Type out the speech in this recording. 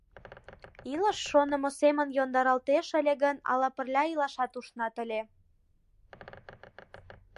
Илыш шонымо семын йӧндаралтеш ыле гын, ала пырля илашат ушнат ыле...